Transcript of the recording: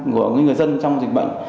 của người dân trong dịch bệnh